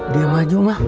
diam aja mah